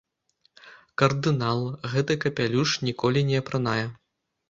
Кардынал гэты капялюш ніколі не апранае.